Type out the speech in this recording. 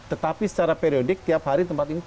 tetapi secara periodik tiap hari tempat ini